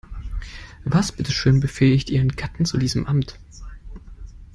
Was bitte schön befähigt ihren Gatten zu diesem Amt?